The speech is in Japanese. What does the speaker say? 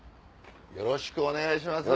よろしくお願いします。